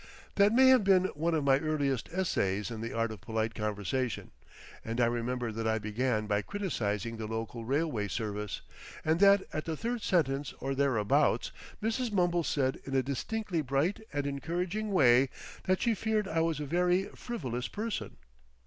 That must have been one of my earliest essays in the art of polite conversation, and I remember that I began by criticising the local railway service, and that at the third sentence or thereabouts Mrs. Mumble said in a distinctly bright and encouraging way that she feared I was a very "frivolous" person.